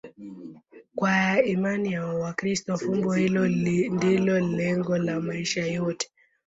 Kwa imani ya Wakristo, fumbo hilo ndilo lengo la maisha yote.